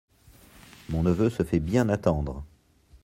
Mon neveu se fait bien attendre…